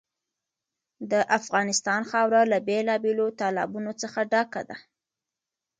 د افغانستان خاوره له بېلابېلو تالابونو څخه ډکه ده.